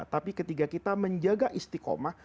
tapi ketika kita menjaga istiqomah